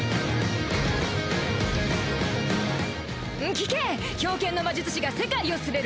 聞け「冰剣の魔術師が世界を統べる」